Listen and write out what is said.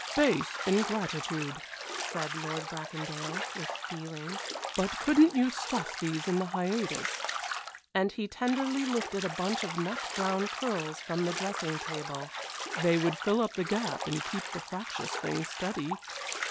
"Base ingratitude," said Lord Bracondale, with feeling; "but couldn't you stuff these in the hiatus," and he tenderly lifted a bunch of nut brown curls from the dressing table. "They would fill up the gap and keep the fractious thing steady."